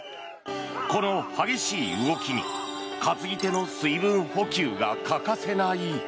この激しい動きに担ぎ手の水分補給が欠かせない。